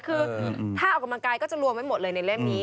คือถ้าออกกำลังกายก็จะรวมไว้หมดเลยในเล่มนี้